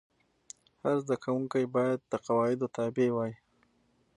هر زده کوونکی باید د قواعدو تابع وای.